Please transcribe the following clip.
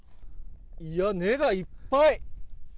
いや、根がいっぱい。